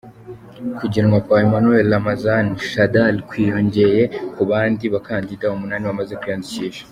Kugenwa kwa Emmanuel Ramazani Shadari kwiyongeye ku bandi bakandida umunani bamaze kwiyandikisha.